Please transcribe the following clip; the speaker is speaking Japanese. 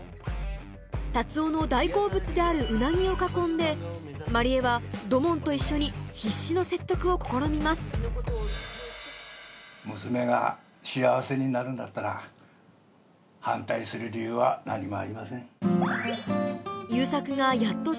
達男の大好物であるうなぎを囲んで万里江は土門と一緒に必死の説得を試みます娘が幸せになるんだったら反対する理由は何もありません。